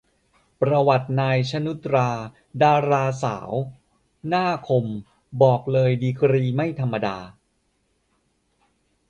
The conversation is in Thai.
ประวัติ นาย ชนุชตรา ดาราสาวหน้าคม บอกเลยดีกรีไม่ธรรมดา